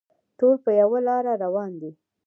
ټول په یوه لاره روان دي.